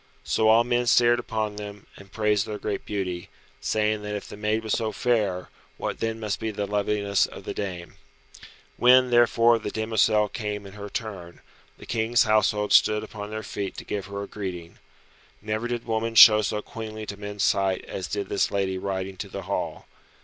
So all men stared upon them, and praised their great beauty, saying that if the maid was so fair, what then must be the loveliness of the dame. When, therefore, the demoiselle came in her turn, the King's household stood upon their feet to give her greeting. Never did woman show so queenly to men's sight as did this lady riding to the hall.